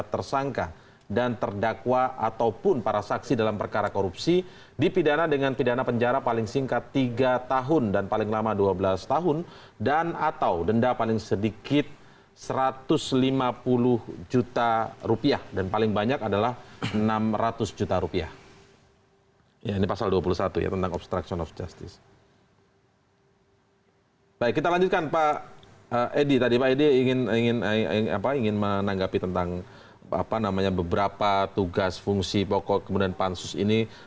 tadi pak edi ingin menanggapi tentang beberapa tugas fungsi pokok kemudian pansus ini